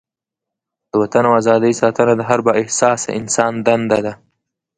د وطن او ازادۍ ساتنه د هر با احساسه انسان دنده ده.